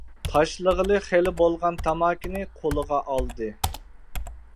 تاشلىغىلى خېلى بولغان تاماكىنى قولىغا ئالدى.